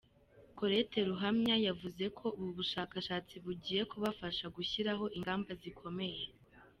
Colette Ruhamya, yavuze ko ubu bushakashatsi bugiye kubafasha gushyiraho ingamba zikomeye.